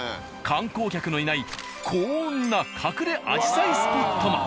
観光客のいないこんな隠れアジサイスポットも。